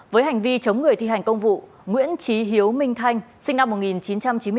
với hành vi chống người thi hành công vụ nguyễn trí hiếu minh thanh sinh năm một nghìn chín trăm chín mươi bốn